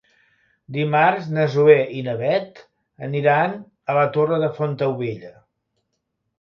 Dimarts na Zoè i na Bet aniran a la Torre de Fontaubella.